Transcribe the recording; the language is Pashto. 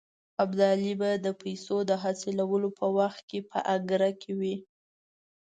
ابدالي به د پیسو د حاصلولو په وخت کې په اګره کې وي.